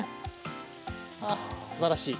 ああすばらしい。